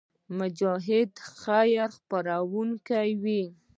مجاهد د خیر خپرونکی وي.